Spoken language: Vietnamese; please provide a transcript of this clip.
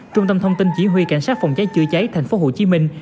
trung tâm thông tin chỉ huy cảnh sát phòng cháy chữa cháy thành phố hồ chí minh